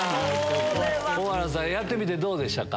大原さんやってみてどうでしたか？